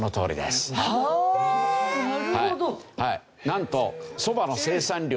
なんとそばの生産量